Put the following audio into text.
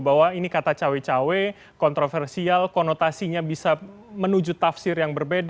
bahwa ini kata cawe cawe kontroversial konotasinya bisa menuju tafsir yang berbeda